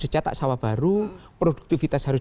dicetak sawah baru produktivitas harus